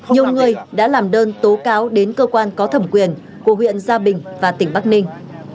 nhiều người đã làm đơn tố cáo đến cơ quan có thẩm quyền của huyện gia bình và tỉnh bắc ninh